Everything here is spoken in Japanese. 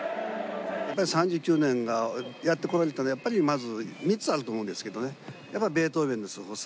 やっぱり３９年やってこられたのはまず３つあると思うんですけどやっぱりベートーヴェンの凄さ。